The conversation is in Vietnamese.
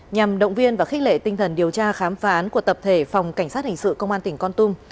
nhằm động viên và khích lệ tinh thần điều tra khám phá án của tập thể phòng cảnh sát hình sự công an tỉnh con tum